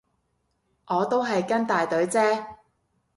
我都係跟大隊啫